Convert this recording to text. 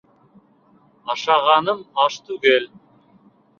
Ашағаным аш түгел